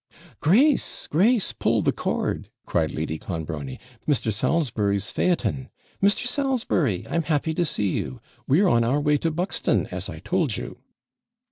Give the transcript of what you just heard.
'Grace, Grace! pull the cord!' cried Lady Clonbrony 'Mr. Salisbury's phaeton! Mr. Salisbury, I'm happy to see you! We're on our way to Buxton as I told you.'